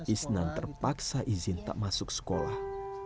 isnan terpaksa izin tak masuk sekolah